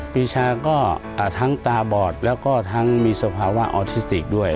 ปีชาก็ทั้งตาบอดแล้วก็ทั้งมีสภาวะออทิสติกด้วย